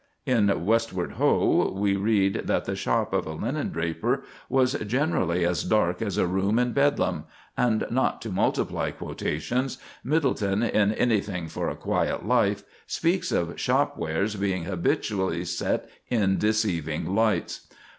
In "Westward Ho" we read that the shop of a linen draper was generally "as dark as a room in Bedlam," and, not to multiply quotations, Middleton, in "Anything for a Quiet Life," speaks of shopwares being habitually "set in deceiving lights."